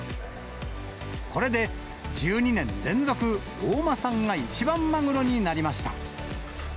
これで１２年連続、大間産が一番マグロになりました。